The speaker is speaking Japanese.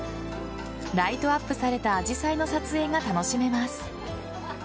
ライトアップされたアジサイの撮影が楽しめます。